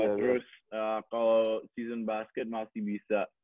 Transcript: terus kalau season basket masih bisa